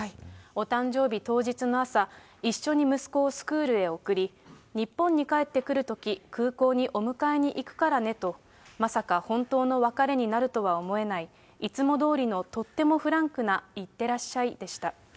お誕生日当日の朝、一緒に息子をスクールへ送り、日本に帰ってくるとき、空港にお迎えにいくからねと、まさか本当の別れになるとは思えない、いつもどおりのとってもフランクないってらっしゃいでした。